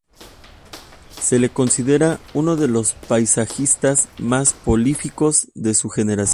Se lo considera uno de los paisajistas más prolíficos de su generación.